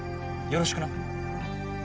よろしくな。